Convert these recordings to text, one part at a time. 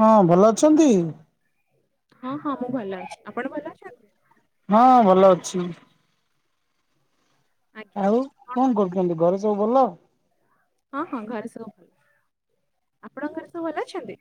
ହଁ ଭଲ ଅଛନ୍ତି? ହଁ ହଁ ମୁଁ ଭଲ ଅଛି ଆପଣ ଭଲ ଅଛନ୍ତି? ହଁ ଭଲ ଅଛି। ଆଜ୍ଞା ଆଉ କଣ କରୁଛନ୍ତି ଘରେ ସବୁ ଭଲ? ହଁ ହଁ ଘରେ ସବୁ ଭଲ, ଆପଣଙ୍କ ଘରେ ସବୁ ଭଲ ଅଛନ୍ତି?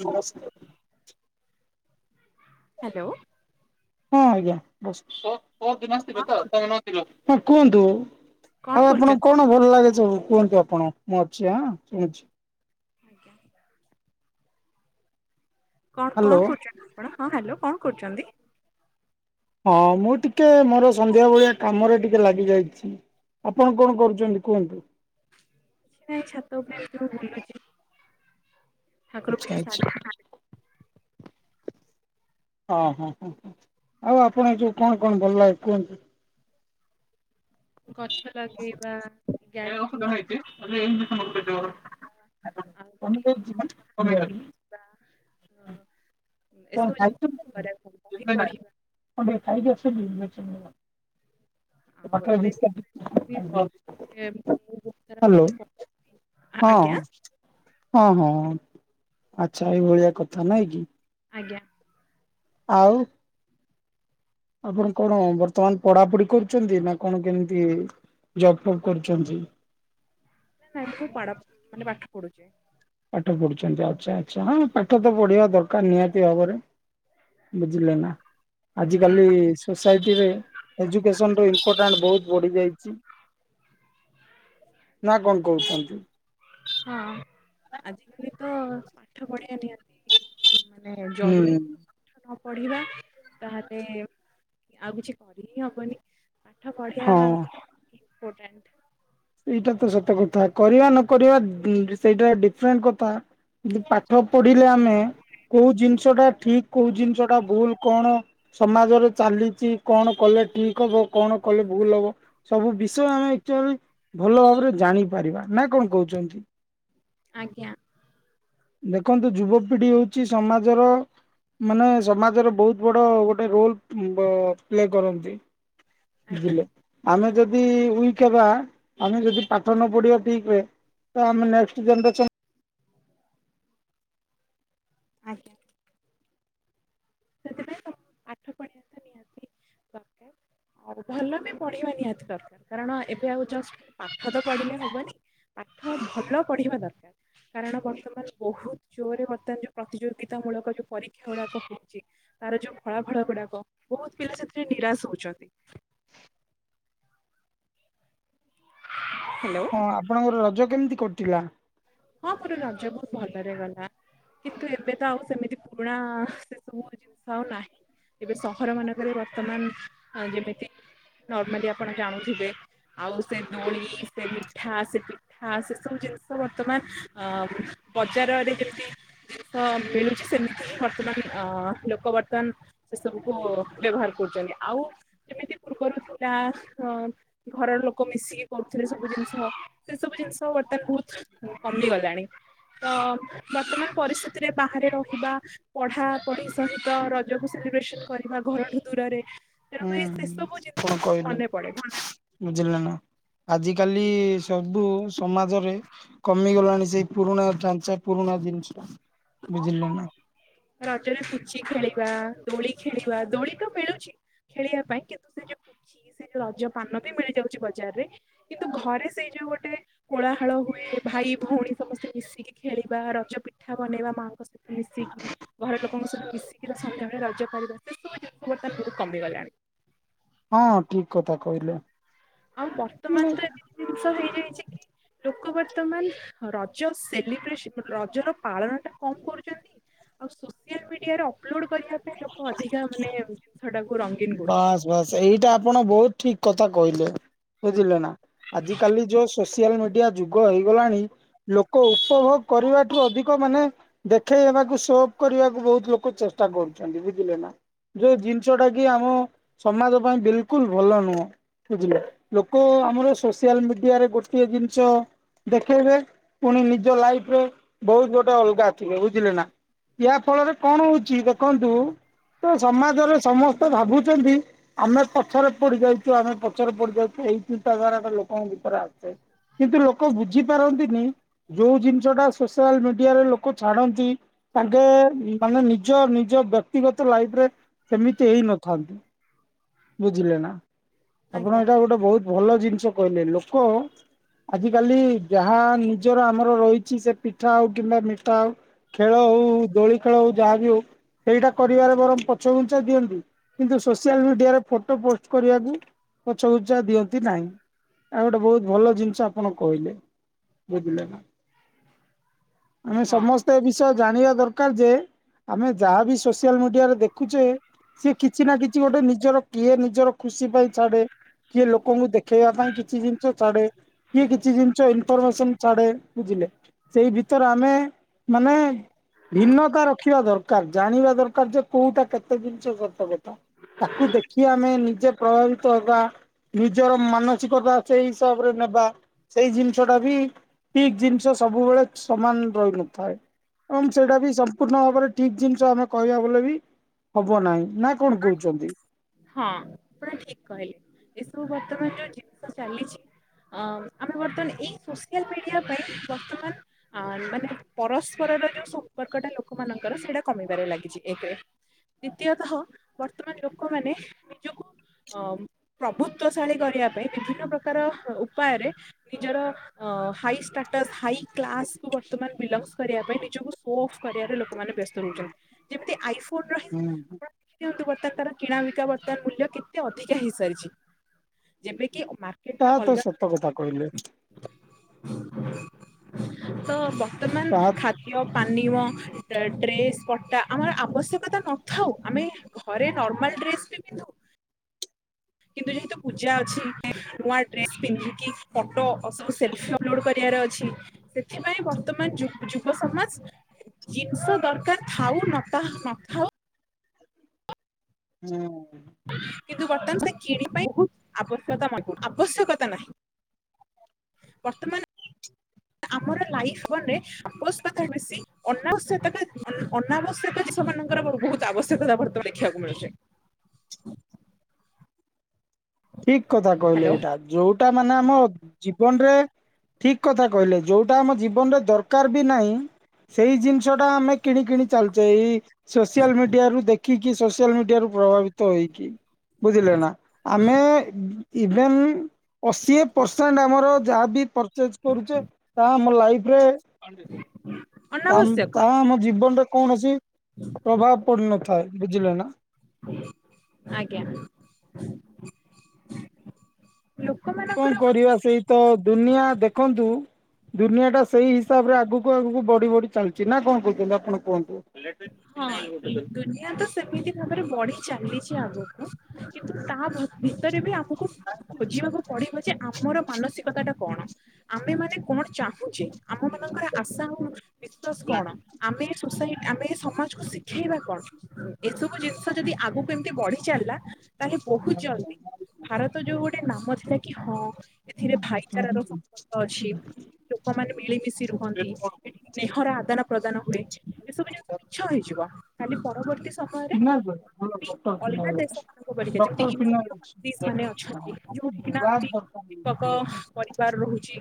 ନମସ୍କାର। ହାଲୋ। ହଁ ଆଜ୍ଞା [unintelligible] କଣ କରୁଛନ୍ତି ହଁ କୁହନ୍ତୁ? କଣ ଆଉ ଆପଣଙ୍କୁ କରୁଛନ୍ତି କଣ ଭଲ ଲାଗେ? ସବୁ କୁହନ୍ତୁ ଆପଣ ମୁଁ ଅଛି ହଁ ଶୁଣୁଛି। ଆଜ୍ଞା। କଣ ହାଲୋ। କଣ କରୁଛନ୍ତି ଆପଣ ହଁ ହ୍ୟାଲୋ କଣ କରୁଛନ୍ତି? ହଁ ମୁଁ ଟିକେ ମୋର ସନ୍ଧ୍ୟା ଭଳିଆ କାମରେ ଟିକେ ଲାଗି ଯାଇଛି। ଆପଣ କଣ କରୁଛନ୍ତି କୁହନ୍ତୁ? ସେ ନାଇ ଛାତ ଉପରେ ବୁଲୁଛି। ଠାକୁର ପୂଜା ଆଚ୍ଛା ଆଚ୍ଛା। ସାରିକି ଆସିଲି। ହଁ -ହଁ- ହଁ -ହଁ -ଆଉ ଆପଣ ଏ ଯଉ କଣ କଣ ଭଲ ଲାଗେ କୁହନ୍ତୁ? ଗଛ ଲଗେଇବା ଗାର୍ଡେନିଂ [unintelligible] ଗଛ ଲଗେଇବା ଆଉ ଗୋଟେ ବୁଲିଯିବା [unintelligible] ଏସବୁ ଜିନିଷ ଖାଇଛନ୍ତି? କରିବାକୁ ବହି ପଢିବାକୁ କଣ ଟିକେ ଖାଇକି ଅଛନ୍ତି ନାଁ କଣ? ଆଉ ହ୍ୟାଲୋ। ଏବେ ବି ମୁଁ ବହୁତ ସାରା ବହି ପଢୁଛି ଆଜ୍ଞା ହଁ ହଁ ହଁ ଆଛା ଏଇଭଳିଆ କଥା ନାଇଁ କି? ଆଜ୍ଞା। ଆଉ ଆପଣ କଣ ବର୍ତ୍ତମାନ ପଢାପଢି କରୁଛନ୍ତି? ନା କଣ କେମିତି। ଜବ ଫୋବ କରୁଛନ୍ତି? ନାଁ ନାଁ ମୁଁ ପାଡ଼ ମାନେ ପାଠ ପଡୁଛି। ପାଠ ପଢୁଛନ୍ତି ଆଚ୍ଛା ଆଚ୍ଛା ହଁ ପାଠ ତ ପଢିବା ଦରକାର ନିହାତି ଭାବରେ। ବୁଝିଲ ନାଁ। ଆଜି କାଲି ଆଜ୍ଞା। ସୋସାଇଟି ରେ ଏଜୁକସନ ର ଇପୋର୍ଟାଣ୍ଟ ବହୁ ବଢି ଯାଇଛି ନାଁ କଣ କହୁଛନ୍ତି? ହଁ ଆଜିକାଲି ତ ପାଠ ପଢିବା ନିହାତି। ମାନେ ହୁଁ ଜରୁରୀ ପାଠ ନ ପଢିବା ତାହଲେେ ଆଉ କିଛି କରି ହିଁ ହବନି। ପାଠ ପଢିବା ସେଇଟା ତ ସତ କଥା କରିବା ନକକରିବା ସେଇଟା ଡିଫରେଣ୍ଟ କଥା। ଯି ପାଠ ପଢିଲେ ଆମେ କୋଉ ଜିନିଷ ଟା ଠିକ କୋଉ ଜିନିଷ ଟା ଭୁଲ କଣ ସମାଜରେ ଚାଲିଛି କଣ କଲେ ଠିକ ହବ କଣ କଲେ ଭୁଲ ହବ ସବୁ ବିଷୟ ଆମେ [inaudible] ଭଲ ଭାବରେ ଜାଣି ପାରିବା ନାଁ କଣ କହୁଛନ୍ତି? ଆଜ୍ଞା। ଦେଖନ୍ତୁ ଯୁବପିଢି ହଉଛି ସମାଜର ମାନେ ସମାଜରେ ବହୁତ ବଡ ଗୋଟେ ରୋଲ ପ୍ଲେ କରନ୍ତି। ଆଜ୍ଞା ବୁଝିଲେ ଆମେ ଯଦି ଉ ଶଖବା ଆମେ ଯଦି ପାଠ ନ ପଢିବା ଠିକେ ତ ଆମେ ନେଷ୍ଟ ଜେନେସନ୍ ଆଜ୍ଞା। ସେଥିପାଇଁ ତମପାଠ ପଡିଆ ତ ନିହାତି। ଦରକାର। ଆଉ ଭଲ ବି ପଢିବା ନିହାତି ଦରକାର କାରଣ ଏବେ ଆଉ ଜଷ୍ଟ ପାଖ ତ ପଢିଲେ ହବନି। ପାଠ ଭଲ ପଢିବା ଦରକାର କାରଣ ବର୍ତ୍ତମାନ ବହୁତ ଜୋରରେ ବର୍ତ୍ତମାନ ଯୋଉ ପ୍ରତିଯୋଗିତା ମୂଳକ ଯୋଉଁ ପରୀକ୍ଷା ଗୁଡାକ ହଉଛି ତାର ଯୋଉଁ ଫଳାଫଳ ଗୁଡାକ ବହୁତ ପିଲା ସେଥିରେ ନିରାଶ ହଉଛନ୍ତି। ହ୍ୟାଲୋ। ହଁ ଆପଣଙ୍କର ରଜ କେମିତି କଟିଲା? ହଁ ମୋର ରଜ ବହୁତ ଭଲରେ ଗଲା କିନ୍ତୁ ଏବେ ତ ଆଉ ସେମିତି ପୁରୁଣା ସବୁ ଜିନିଷ ଆଉ ନାହିଁ ଏବେ ସହର ମାନଙ୍କରେ ବର୍ତ୍ତମାନ ଯେମିତି ନର୍ମାଲି ଆପଣ ଜାଣୁଥିବେ। ଆଉ ସେ ଦୋଳି ସେ ମିଠା ସେ ପିଠା ସେ ସବୁ ଜିନିଷ ବର୍ତ୍ତମାନ ଅ ବଜାରରେ ଯେମତି ତ ମିଳୁଛି ସେମିତି ବର୍ତ୍ତମାନ ଅ ଲୋକ ବର୍ତ୍ତମାନ ସେ ସବୁକୁ ବ୍ୟବହାର କରୁ ଆଉ ଯେମତି ପୃର୍ବରୁ ଥିଲା ଘରର ଲୋକ ମିଶିକି କରୁଥିଲେ ସବୁ ଜି ସେ ସବୁ ଜିନିଷ ବର୍ତ୍ତମାନ କମି ଗଲାଣି ତ ବର୍ତ୍ତମାନ ପରିସ୍ଥିତିରେ ବାହାରେ ରହିବା ପଢା ପଢି ସହିତ ରଜକୁ ସେଲିବ୍ରେସନ କରିବା ଘରଠୁ ଦୂରରେ ହୁଁ ତେଣୁକରି ସେ ସବୁ କଣ ଜିନିଷ କହିଲି ମନେ ପଡେ। ବୁଝିଲ ନା? ଆଜିକାଲି ସବୁ ସମାଜରେ କମିଗଲାଣି, ସେଇ ପୁରୁଣା ଢାଞ୍ଚା ପୁରୁଣା [unintelligible] ବୁଝିଲେ ନା ରାଜରେ ପୁଚି ଖେଳି ବା ଦୋଳି ଖେଳିବା ଦୋଳି ତ ମିଳୁଛି। ଖେଳିବା ପାଇଁ, କିନ୍ତୁ ସେ ଯୋଉ ପୂଚି ସେ ଯଉ ରଜ ପାନ ବି ମିଳି ଯାଉଛି ବଜାରରେ, କିନ୍ତୁ ଘରେ ସେଇ ଯୋଉ ଗୋଟେ କୋଳାହଳ ହୁଏ, ଭାଇ ଭଉଣୀ ସମସ୍ତେ ମିଶିକି ଖେଳିବା, ରଜ ପିଠା ବନେଇବା ମାଆଙ୍କ ସହିତ ମିଶିକି, ଘର ଲୋକଙ୍କ ସହିତ ମିଶିକି। ସନ୍ଧ୍ୟାବେଳେ ରଜ କରିବା, ସେଶବୁ ଜିନିଷ ବର୍ତ୍ତମାନ ବହୁତ କମିଗଲାଣି। ହଁ ଠିକ କଥା କହିଲେ। ଆଉ ବର୍ତ୍ତମାନ ତ ଏମିତି ଜିନିଷ ହେଇଯାଇଛି କି ଲୋକ ବର୍ତ୍ତମାନ ରଜ ସେଲିବ୍ରେସନ ରଜର ପାଳନ ଟା କମ କରୁଛନ୍ତି, ଆଉ ସୋସିଆଲ ମିଡିଆରେ ଅ ଅପଲୋଡ୍ କରିବା ପାଇଁ ଲୋକ ଅଧିକା ମାନେ ଜିନିଷଟାକୁ ରଙ୍ଗୀନ କରୁଛନ୍ତି। ବାସ୍ ବାସ୍ ଏଇଟା ଆପଣ ବହୁତ ଠିକ କଥା କହିଲେ। ବୁଝିଲେ ନା, ଆଜି କାଲି ଯୋଉ ସୋସିଆଲ ମିଡିଆ ଯୁଗ ହେଇଗଲାଣି ଲୋକ ଉପଭୋଗ କରିବାଠୁ ଅଧିକ ମାନେ ଦେଖେଇବାକୁ ସୋ ଅଫ୍ କରିବାକୁ ବହୁତ ଲୋକ ଚେଷ୍ଟା କରୁଛନ୍ତି ବୁଝିଲେ ନା? ଯୋଉ ଜିନିଷଟା କି ଆମ ସମାଜ ପାଇଁ ବିଲକୁଲ ଭଲ ନୁହଁ। ବୁଝିଲ, ଲୋକ ଆମର ସୋସିଆଲ ମିଡିଆରେ ଗୋଟିଏ ଜିନିଷ ଦେଖେଇବେ ପୁଣି ନିଜ ଲାଇଫ ରେ ବହୁତ ଗୋଟେ ଅଲଗା ଥିବେ, ବୁଝିଲେ ନା? ୟା ଫଳରେ କଣ ହଉଛି ଦେଖନ୍ତୁ, ତ ସମାଜରେ ସମସ୍ତ ତ ଭାବୁଛନ୍ତି ଆମେ ପଛରେ ପଡି ଯାଇଛୁ ଆମେ ପଛରେ ପଡି ଯାଉଛୁ ଏଇ ଚିନ୍ତାଧାରା ଗା ଲୋକଙ୍କ ଉପରା ଆସ କିନ୍ତୁ ଲୋକ ବୁଝିପାରନ୍ତିନି, ଯୋଉ ଜିନିଷ ଟା ସୋସିଆଲ ମିଡିଆରେ ଲୋକ ଛାଡନ୍ତି ତାଙ୍କେ ମାନେ ନିଜ ନିଜ ବ୍ୟକ୍ତିଗତ ଲାଇଫ ରେ ସେମିତି ବୁଝିଲେ ନା, ଆପଣ ଆଜ୍ଞା। ଏଇଟା ଗୋଟେ ବହୁତ ଭଲ ଜି କହଲେ, ଲୋକ ଆଜି କାଲି ଯାହା ନିଜର ଆମର ରହିଛି ସେ ପିଠା ହଉ କିମ୍ବା ମିଠା ହଉ ଖେଳ ହଉ ଦୋଳି ଖେଳ ହଉ ଯାହା ବି ହଉ। ସେଇଟା କରିବାରେ ବରଂ ପଛଘୁଞ୍ଚା ଦିଅନ୍ତି, କିନ୍ତୁ ସୋସିଆଲ ମିଡିଆରେ ଫଟୋ ପୋଷ୍ଟ କରିବାକୁ ପଛଘୁଞ୍ଚା ଦିଅନ୍ତି ନାହିଁ। ଆ ଗୋଟେ ବହୁତ ଭଲ ଜିନିଷ ଆପଣ କହିଲେ, ବୁଝିଲେ ନା? [inaudible] ଆମେ ସମସ୍ତେ ଏ ବିଷୟ ଜାଣିବା ଦରକାର ଯେ ଆମେ ଯାହାବି ସୋସିଆଲ ମିଡିଆରେ ଦେଖୁଛେ ସି କିଛି ନା କିଛି ଗୋଟେ ନିଜର କିଏ ନିଜର ଖୁସି ପାଇଁ ଛାଡେ କିଏ ଲୋକଙ୍କୁ ଦେଖେଇବା ପାଇଁ କିଛି ଜିନିଷ ଛାଡେ କିଏ କିଛି ଜିନିଷ ଇନଫରମେସନ ଛାଡେ ବୁଝିଲେ। ସେଇ ଭିତରେ ଆମେ ମାନେ ଭିନ୍ନତା ରଖିବା ଦରକାର ଜାଣିବା ଦରକାର ଯେ କୋଉଟା କେତେ ଜିନିଷ ସତକଥା। ତାକୁ ଦେଖି ଆମେ ନିଜେ ପ୍ରଭାବିତ ହବା ନିଜର ମାନସିକତା ସେଇ ହିସାବରେ ନେବା ସେଇ ଜିନିଷ ଟା ବି ପିକ ଜିନିଷ ସବୁବେଳେ ସମାନ ରହିନଥାଏ। ଏବଂ ସେଇଟା ବି ସମ୍ପୂର୍ଣ୍ଣ ଭାବରେ ଠିକ ଜିନିଷ ଆମେ କହିବା ବଲେ ବି ହବ ନାହିଁ। ନା କଣ କହୁଛନ୍ତି। ହଁ ଆପଣ ଠିକ କହିଲେ ଏସବୁ ବର୍ତ୍ତମାନ ଯୋଉ ଜିନିଷ ଚାଲିଛି ଅ ଆମେ ବର୍ତ୍ତମାନ ଏଇ ସୋସିଆଲ ମିଡିଆ ପାଇଁ ବର୍ତ୍ତମାନ ଅ ମାନେ ପରସ୍ପର ଯୋଉ ସମ୍ପର୍କଟା ଲୋକମାନଙ୍କର ସେଇଟା କମିବାରେ ଲାଗିଛି ଏକରେ ଦ୍ଵିତୀୟତଃ ବର୍ତ୍ତମାନ ଲୋକମାନେ ନିଜକୁ ଅ ପ୍ରଭୁତଵଶାଳୀ କରିବା ପାଇଁ ବିଭିନ୍ନ ପ୍ରକାର ଉପାୟରେ ନିଜର ହାଇ ଷ୍ଟାଟସ୍ ହାଇ କ୍ଲାସକୁ ବର୍ତ୍ତମାନ ବିଲଙ୍ଗ କରିବା ପାଇଁ ନିଜକୁ ସୋ ଅଫ୍ କରିବାରେ ଲୋକମାନେ ଯେମିତି ଆଇ ହୁଁ। ବତ୍ତ ତର କିଣା ବିକା ବର୍ତ୍ତମାନ ମୂଲ୍ୟ କେତେ ଅଧିକା ହେଇସାରିଛି ଯେମ କିି ତା ତ ସତ କଥା କହିଲେ। [inaudible] ତ ବର୍ତ୍ତମାନ ତାହା ଖାଦ୍ୟ ପାନୀୟ ଡ୍ରେସ୍ ପଟା ଆମର ଆବଶ୍ୟକତା ନଥାଉ ଆମେ ଘରେ ନର୍ମାଲ ଡ୍ରେସ ବି ବିିନ୍ଧୁ କିନ୍ତୁ ଯେହେତୁ ପୂଜା ଅଛି ନୂଆ ଡ୍ରେସ ପିନ୍ଧିକି ଫଟୋ ସବୁ ସେଲଫି ଅପଲୋଡ କରିବା ଅଛି ସେଥିପାଇଁ ବର୍ତ୍ତମାନ ଯୁବ ସମାଜ ଜିନିଷ ଦରକାର ଥାଉ ନ ନଥାଉ ହୁଁ। କିନ୍ତୁ ବର୍ତ୍ତମାନ ସେ କିଣିିବା ପାଇଁ ବହୁ ଆବଶ୍ୟକତା ମ ଆବଶ୍ୟକତା ନାହିଁ। ବର୍ତ୍ତମାନ ଆମର ଲାଇଫରେ କଥା ବେଶ ଅନାବ୍ୟ ଅନାବଶ୍ୟକ ମାନଙ୍କର ବହୁତ ଆବଶ୍ୟକତା ବର୍ତମାନ ଦେଖିବାକୁ ମିଳୁଛି। ଠିକ କଥା କହିଲେ ହ୍ୟାଲୋ ଏଇଟା ଯୋଉଟା ମାନେ ଆମ ଜୀବନରେ ଠିକ କଥା କହିଲେ ଯୋଉଟା ଆମ ଜୀବନରେ ଦରକାର ବି ନାହିଁ ସେଇ ଜିନିଷ ଟା ଆମେ କିଣ କିଣି ଚାଲଛେ ଏଇ ସୋସିଆଲ ମିଡିଆରୁୁ ଦେଖିକି ସୋସିଆଲ ମିଡିଆରୁ ପ୍ରଭାବିତ ହେଇକି ବୁଝିଲେ ନା। ଆମେ ଇଭେଣ୍ଟ ଅଶି ପରସେଣ୍ଟ ଆମର ଯାହାବ ପଚେଜ କରୁଛେ ତାହା ଆମ ଲାଇଫରେ ଅନାବଶ୍ୟକ ତାହା ଆମ ଜୀବନରେ କୌଣସି ପ୍ରଭାବ ପଡିନଥିଲା। ହ ବୁଝିଲ ନା? ଆଜ୍ଞା। କଣ ଲୋକମାନଙ୍କର କରିବା ସେଇ ତ ଦୁନିଆ ଦେଖନ୍ତୁ ଦୁନିଆ ଟା ସେଇ ହିସାବ ରେ ଆଗକୁ ଆଗକୁ ବଢି ବଢି ଚାଲିଛି ନା କଣ କହୁଛନ୍ତି ଆପଣ କୁହନ୍ତୁ। ହଁ ଦୁନିଆ ତ ସେମିତି ଭାବରେ ବଢି ଚାଲିଛି ଆଗକୁ କିନ୍ତୁ ତା ଭ ଭରେ ବି ଆମକୁ ଖୋଜିବାକୁ ପଡିବ ଯେ ଆମର ମାନସିକତା ଟା କଣ ଆମେ ମାନେ କଣ ଚାହୁଁଛେ। ଆମ ମାନଙ୍କର ଆଶା ଆଉ ବିଶ୍ଵାସ କଣ ଆମେ ସୋସାଇ ଆମେ ସମାଜକୁ ଶିଖେଇବା କଣ ଏସବୁ ଜିନିଷ ଯଦି ଆଗକୁ ଏମିତି ବଢି ଚାଲିଲା ତାହେଲେ ବହୁତ ଜଲ୍ଦି ଭାରତ ଯୋଉ ଗୋଟେ ନାମ ଥିଲା କି ହଁ ଏଥିରେ ଭାଇଚାରାର ସମ୍ପର୍କ ଅଛି ଲୋକମାନେ ମିଳିମିଶି ରୁହନ୍ତି ଏଠି ସ୍ନେହର ଆଦାନ ପ୍ରଦାନ ହୁଏ ଏସବୁ ଜିନଷ ମିଛ ହେଇଯିବ। କାଲି ପରବର୍ତ୍ତୀ ସମୟରେ ଫିନାଇଲ ଭଲ ଡକ୍ଟର ଅଲଗା ଫିନାଇଲ ଦେଶ ମାନଙ୍କ ପରଢିକା ଯେମିତି ଡକ୍ଟର ୟୁରୋପୀୟ ଫିନାଇଲ ଅଛି କଣ୍ଟ୍ରିଜ ମାନେ ମାନେ ହଁ ଅଛନ୍ତି ଆମକୁ ଯୋଉଠି କିନା ବ୍ରାଣ୍ଡ ଏମତି ଦରକାର ନାହିଁ। ଦୀପକ ହ୍ୟାଲୋ ପରିବାର ରହୁଛି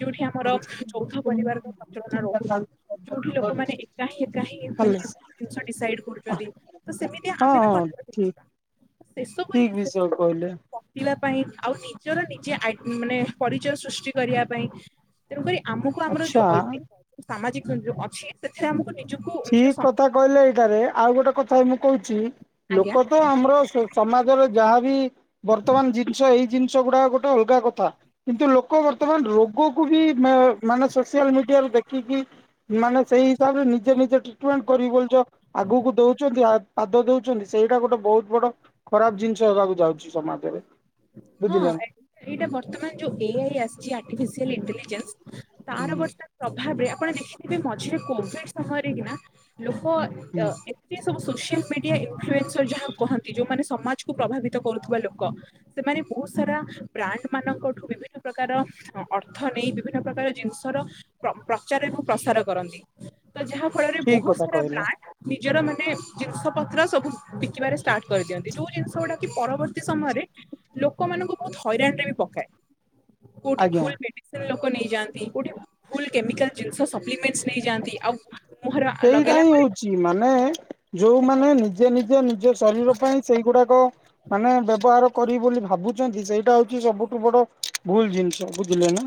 ଯୋଉଠି ଆମର ହଁ ହଁ ଚୌଦ୍ଧ ପରିବାରର ପ୍ରଚଳନ ରହୁନ ଯୋଉଠି ଲୋକମାନେ ଏକା ହିଁ ଏକା ହିଁ ମାନେସବୁ ଜିନିଷ ଡିଶାଇଟ ଚନ୍ତି ତ ସେମିତି ଆମେ ବି କଥା ଠିକ ହେଇଯିବା ତ ସେସବୁ ଠିକ ଜିନିଷରେ ବିଷୟ କହିଲେ [unintelligible] ପକେଇ ପାଇଁ ଆଉ ନିଜର ନିଜେ ଆଇ ମାନେ ପରିଚୟ ସୃଷ୍ଟି କରିବା ପାଇଁ ତେଣୁକରି ଆମକୁ ଆମର ଯୋଉ ଆଚ୍ଛା ଐତିହ୍ୟ ସାମାଜିକ ଯୋଉ ଅଛି ସେଥିରେ ଆମକୁ ନିଜକୁ ନିଜ ଠିକ କଥା କହିଲେ ଏଇଟାରେ ଆଉ ଗୋଟେ କଥା ମୁଁ କହୁଛି ଆଜ୍ଞା ଲୋକ ତ ଆମର ସମାଜରେ ଯାହାବି ବର୍ତ୍ତମାନ ଜିନିଷ ଏଇ ଜି ନିଷ ଗୁଡାକ ଗୋଟେ ଅଲଗା କଥା କିନ୍ତୁ ଲୋକ ବର୍ତ୍ତମାନ ରୋଗକୁ ବି ଏ ମାନେ ସୋସିଲ ମିଡିଆ ଦେଖିକି ମାନେ ସେଇ ହିସାବରେ ନି ଟିଟମେଣ୍ଟ କରିବି ବୋଲି ଯୋଉ ଆ ଆଗକୁ ଦଉଛନ୍ତି ପାଦ ଦଉଛନ୍ତି ସେଇଟା ଗୋଟେ ବହୁତ ବଡ ଖରାପ ଜିନିଷ ହେବାକୁ ଯାଉଛି ସମାଜରେ। ହଁ ବୁଝିଲେ ନା ଏଇଟା ବର୍ତ୍ତମାନ ଯୋଉ ଏଆଇ ଆସିଛି ଆଟିଫିସିଆଲ ଇଣ୍ଟେଲିଜେନ୍ସ ତାର ହୁଁ ବର୍ତ୍ତମାନ ପ୍ରଭାବରେ ଆପଣ ଦେଖିଥିବେ ମଝିରେ କୋଭିଡ ସମୟରେ କିନା ଲୋ ହଁ ହୁଁ ଏତେ ସବୁ ସୋସିଆଲ ମିଡିଆ ଇନଫ୍ଲୁଏନ୍ସର ଯାହା କହନ୍ତି ଯୋଉମାନେ ସମାଜକୁ ପ୍ରଭାବିତ କରୁଥିବା ଲୋକ। ସେମାନେ ବହୁତ ସାରା ବ୍ରାଣ୍ଡ ମାନଙ୍କଠୁ ବିଭିନ୍ନ ପ୍ରକାର ଅର୍ଥ ନେଇ ବିଭିନ୍ନ ପ୍ରକାର ଜି ଶର ପ୍ର ପ୍ରଚାର ଏବଂ ପ୍ରସାର କରନ୍ତି। ତ ଯାହା ଫଳରେ ଠିକ ବହୁତ କଥା ସାରା କହିଲେ ବ୍ରାଣ୍ଡ ନିଜର ମାନେ ଜିନିଷ ପତ୍ର ସବୁ ବିକିବାରେ ଷ୍ଟାର୍ଟ କରିଦିଅନ୍ତି ଯେଉଁ ଜିନିଷ ଗୁଡ଼ା କି ପରବର୍ତ୍ତୀ ସମୟରେ ଲୋକମାନଙ୍କୁ ବହୁତ ହଇରାଣ ରେ ବି ପକାଏ କୋଉଠି ଆଜ୍ଞା। ଭୁଲ ମେଡିସିନ ଲୋକ ନେଇଯାଆନ୍ତି ଗୋଟେ ଭୁଲ କେମିକାଲ ଜିନିଷ ସପ୍ଲିମେନ୍ସ ନେଇଯାଆନ୍ତି ଆଉ ମୁହଁରେ ସେଇଟା ଲଗେଇଲା ହିଁ ପରେ ହଉଛି ମାନେ ଯୋଉମାନେ ନିଜେ ନିଜେ ନିଜ ଶରୀର ପାଇଁ ସେଇଗୁଡାକ ମାନେ ବ୍ୟବହାର କରିବ ବୋଲି ଭାବୁଛନ୍ତି ସେଇଟା ହଉଛି ସବୁଠୁ ବଡ ଭୁଲ ଜିନିଷ ବୁଝିଲେ ନା।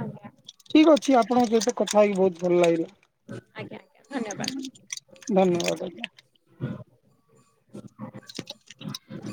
ଆଜ୍ଞା ଅଛି ଆପଣଙ୍କ ସହିତ କଥା ହେଇକି ବହୁତ ଭଲ ଲାଗିଲା। ଆଜ୍ଞା। ଧନ୍ୟବାଦ ଧନ୍ୟବାଦ ଆଜ୍ଞା। [inaudible]